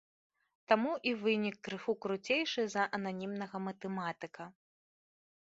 Таму і вынік крыху круцейшы за ананімнага матэматыка.